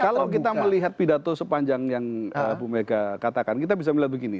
kalau kita melihat pidato sepanjang yang bu mega katakan kita bisa melihat begini